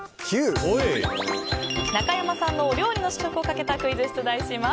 中山さんのお料理の試食をかけたクイズを出題します。